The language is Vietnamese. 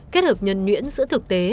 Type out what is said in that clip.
kết hợp nhân nguyễn giữa thực tế